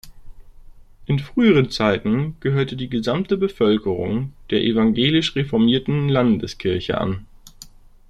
In früheren Zeiten gehörte die gesamte Bevölkerung der Evangelisch-Reformierten Landeskirche an.